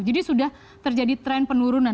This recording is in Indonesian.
jadi sudah terjadi tren penurunan